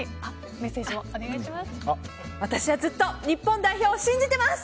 メッセージもお願いします。